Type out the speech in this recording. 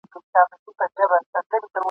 په اوږد مزله کي به دي پر لار سم !.